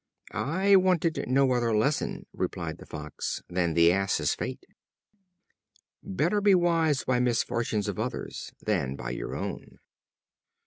"I wanted no other lesson," replied the Fox, "than the Ass's fate." Better be wise by the misfortunes of others than by your own.